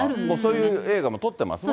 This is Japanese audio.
そういう映画も撮ってますもんね。